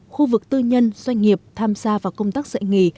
khu vực tư nhân doanh nghiệp tham gia vào công tác dạy nghề